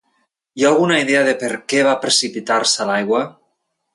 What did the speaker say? Hi ha alguna idea de per què va precipitar-se a l'aigua?